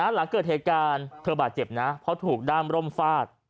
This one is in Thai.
หลังเกิดเหตุการณ์เธอบาดเจ็บนะเพราะถูกด้ามร่มฟาด